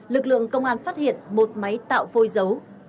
lực lượng công an phát hiện một máy tạo phôi dấu